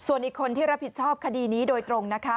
ส่วนอีกคนที่รับผิดชอบคดีนี้โดยตรงนะคะ